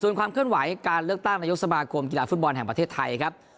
ส่วนความเคลื่อนไหวการเลือกตั้งนายกสมาคมกีฬาฟุตบอลแห่งประเทศไทยครับ